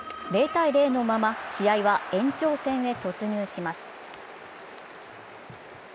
０−０のまま試合は延長戦へ突入します。